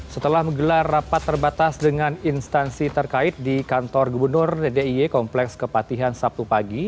setelah menggelar rapat terbatas dengan instansi terkait di kantor gubernur d i y kompleks kepatihan sabtu pagi